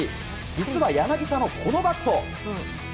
実は柳田のこのバット。